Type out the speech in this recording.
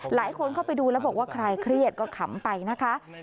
เข้าไปดูแล้วบอกว่าใครเครียดก็ขำไปนะคะ